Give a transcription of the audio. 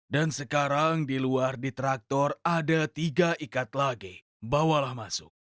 dan sekarang di luar di traktor ada tiga ikat lagi bawalah masuk